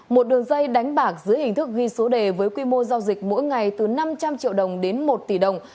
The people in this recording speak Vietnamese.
một đường dây đánh bạc dưới hình thức ghi số đề với quy mô giao dịch mỗi ngày từ năm trăm linh triệu đồng đến một tỷ đồng